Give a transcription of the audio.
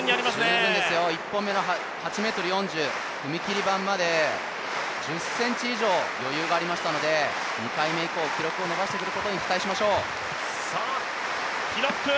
十分ですよ、１本目の８ｍ４０、踏み切り板まで１０ｃｍ以上余裕がありましたので２回目以降、記録を伸ばしてくることを期待しましょう。